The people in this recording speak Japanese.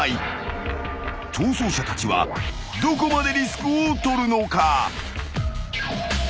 ［逃走者たちはどこまでリスクを取るのか？］